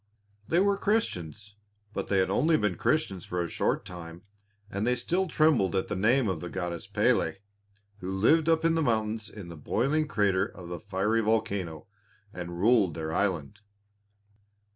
They were Christians; but they had only been Christians for a short time, and they still trembled at the name of the goddess Pélé, who lived up in the mountains in the boiling crater of the fiery volcano, and ruled their island.